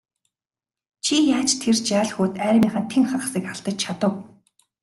Чи яаж тэр жаал хүүд армийнхаа тэн хагасыг алдаж чадав?